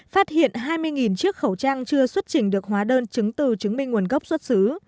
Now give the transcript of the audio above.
phát hiện hai mươi chiếc khẩu trang chưa xuất trình được hóa đơn chứng từ chứng minh nguồn gốc xuất xứ